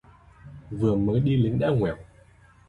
Vừa mới đi lính đã ngoẻo